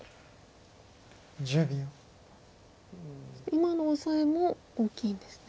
今のオサエも大きいんですね。